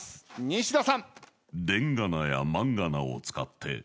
西田さん。